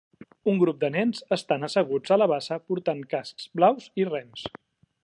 Un grup de nens estan asseguts a la bassa portant cascs blaus i rems.